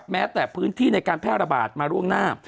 แม้แต่พื้นที่ในการแพร่ระบาดมาล่วงหน้า